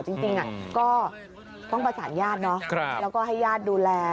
จริงก็ต้องประสานญาติเนาะแล้วก็ให้ญาติดูแล